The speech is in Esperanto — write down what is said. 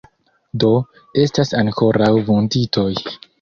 Do, estas ankoraŭ vunditoj.